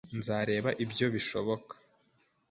Nzareba ibyo bishoboka.